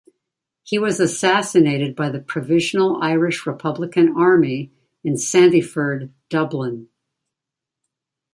He was assassinated by the Provisional Irish Republican Army in Sandyford, Dublin.